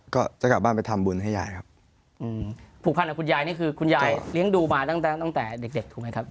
ก็จะกลับบ้านไปทำบุญให้ยายครับอืมผูกพันกับคุณยายนี่คือคุณยายเลี้ยงดูมาตั้งแต่ตั้งแต่เด็กเด็กถูกไหมครับ